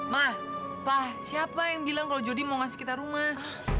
ma pa siapa yang bilang kalau jody mau ngasih kita rumah